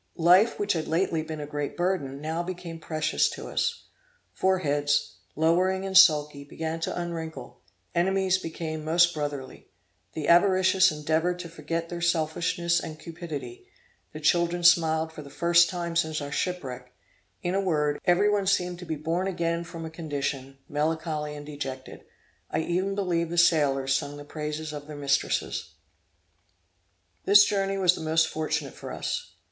Life, which had lately been a great burden, now became precious to us. Foreheads, lowering and sulky, began to unwrinkle; enemies became most brotherly; the avaricious endeavored to forget their selfishness and cupidity; the children smiled for the first time since our shipwreck; in a word, every one seemed to be born again from a condition, melancholy and dejected. I even believe the sailors sung the praises of their mistresses. This journey was the most fortunate for us.